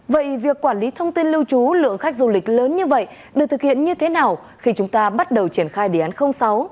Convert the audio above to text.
vậy việc quản lý thông tin lưu trú lượng khách du lịch lớn như vậy được thực hiện như thế nào khi chúng ta bắt đầu triển khai đề án sáu